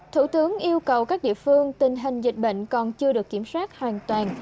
thủ tướng yêu cầu các địa phương tình hình dịch bệnh còn chưa được kiểm soát hoàn toàn